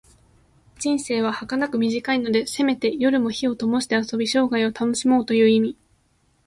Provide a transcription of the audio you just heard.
人生ははかなく短いので、せめて夜も灯をともして遊び、生涯を楽しもうという意味。